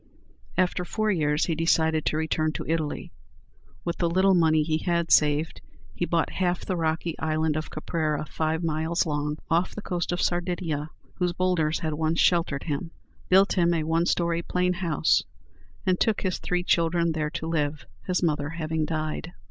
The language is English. After four years he decided to return to Italy. With the little money he had saved, he bought half the rocky island of Caprera, five miles long, off the coast of Sardinia, whose boulders had once sheltered him, built him a one story plain house, and took his three children there to live, his mother having died.